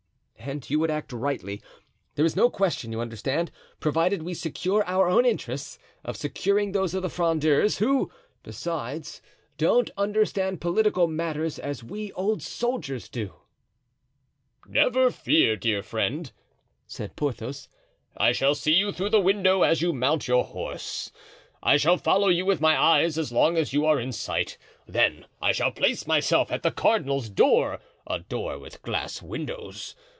"And you would act rightly. There is no question, you understand, provided we secure our own interests, of securing those of the Frondeurs; who, besides, don't understand political matters as we old soldiers do." "Never fear, dear friend," said Porthos. "I shall see you through the window as you mount your horse; I shall follow you with my eyes as long as you are in sight; then I shall place myself at the cardinal's door—a door with glass windows.